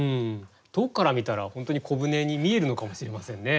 遠くから見たら本当に小舟に見えるのかもしれませんね。